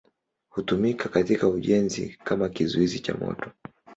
Hutumika katika ujenzi kama kizuizi cha moto.